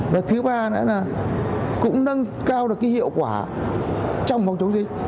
và thứ ba nữa là cũng nâng cao được cái hiệu quả trong phòng chống dịch